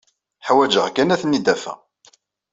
Ḥwajeɣ kan ad ten-id-afeɣ.